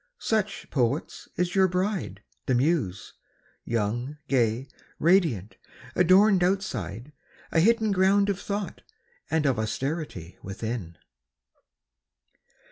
Such, poets, is your bride, the Muse! young, gay, Radiant, adorned outside; a hidden ground Of thought and of austerity within.